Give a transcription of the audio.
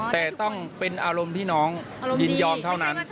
แต่ต้องเป็นอารมณ์ที่น้องยินยอมเท่านั้น